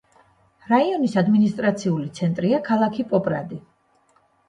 რაიონის ადმინისტრაციული ცენტრია ქალაქი პოპრადი.